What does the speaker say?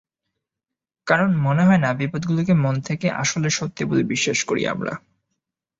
কারণ মনে হয় না বিপদগুলোকে মন থেকে আসলে সত্যি বলে বিশ্বাস করি আমরা।